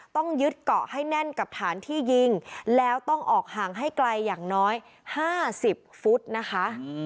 ต้องยึดเกาะให้แน่นกับฐานที่ยิงแล้วต้องออกห่างให้ไกลอย่างน้อย๕๐ฟุตนะคะ